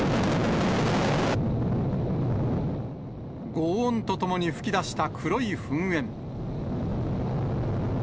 ごう音とともに噴き出した黒い噴煙。